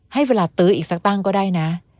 ให้เวลาตื้ออีกสักตั้งก็ได้นะ